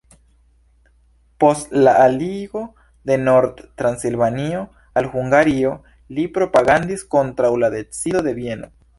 Post la aligo de Nord-Transilvanio al Hungario, li propagandis kontraŭ la decido de Vieno.